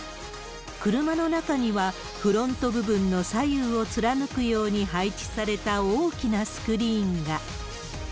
車の中には、フロント部分の左右を貫くように配置された大きなスクリーンが。